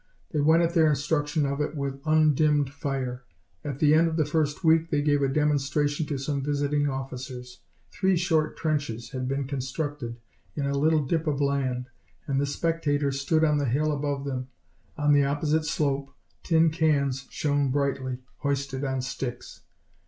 They went at their instruction of it with undimmed fire. At the end of the first week, they gave a demonstration to some visiting officers. Three short trenches had been constructed in a little dip of land, and the spectators stood on the hill above them. On the opposite slope tin cans shone brightly, hoisted on sticks.